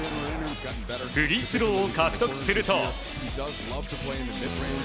フリースローを獲得すると。